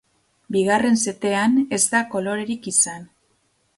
Bigarren setean ez da kolorerik izan.